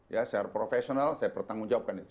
ya secara profesional saya bertanggung jawabkan itu